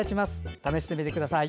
試してみてください。